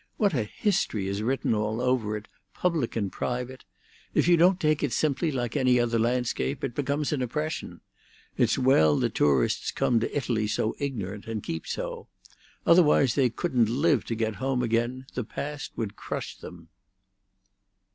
What a history is written all over it, public and private! If you don't take it simply like any other landscape, it becomes an oppression. It's well that tourists come to Italy so ignorant, and keep so. Otherwise they couldn't live to get home again; the past would crush them."